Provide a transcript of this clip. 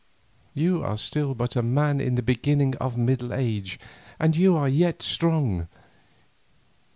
You are still but a man in the beginning of middle age, and you are yet strong.